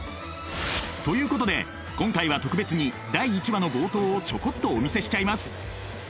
ということで今回は特別に第１話の冒頭をちょこっとお見せしちゃいます。